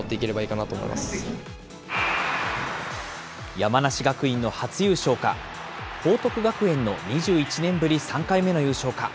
山梨学院の初優勝か、報徳学園の２１年ぶり３回目の優勝か。